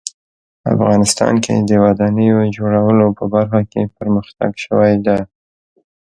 افغانستان کې د ودانیو جوړولو په برخه کې پرمختګ شوی ده